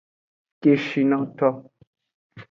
Keshinoto.